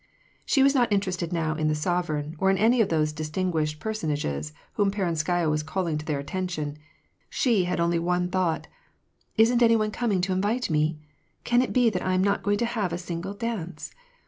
She was not interested now in the sovereign, or in any of those distinguished personages whom Peronskaya was calling their attention to : she had only one thought, — "Isn't any one coming to invite me? Can it be that I am not going to have a single dance